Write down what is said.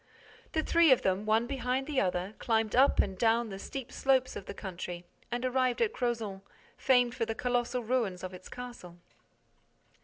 The three of them, one behind the other, climbed up and down the steep slopes of the country and arrived at Crozant, famed for the colossal ruins of its castle.